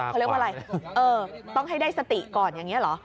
ตาขวานต้องให้ได้สติก่อนอย่างนี้เหรอ